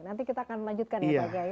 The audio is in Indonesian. nanti kita akan lanjutkan ya pak gai